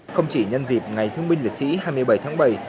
không chỉ nhân dịp ngày thương binh liệt sĩ hai mươi bảy tháng bảy